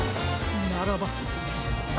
ならば！